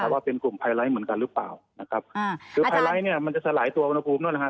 ว่าเป็นกลุ่มไพไลท์เหมือนกันหรือเปล่าคือไพไลท์มันจะสาหร่ายตัววนภูมิ๔๐๐อัพ